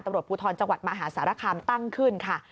ตำรวจภูทรจังหวัดมหาสารคามตั้งขึ้นค่ะ